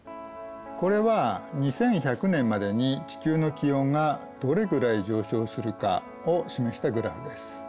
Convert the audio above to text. これは２１００年までに地球の気温がどれぐらい上昇するかを示したグラフです。